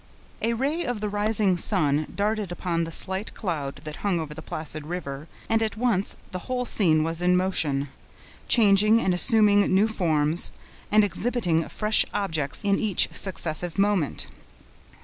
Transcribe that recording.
A ray of the rising sun darted upon the slight cloud that hung over the placid river, and at once the whole scene was in motion, changing and assuming new forms, and exhibiting fresh objects in each successive moment.